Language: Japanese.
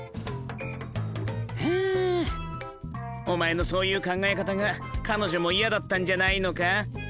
お前のそういう考え方が彼女も嫌だったんじゃないのか？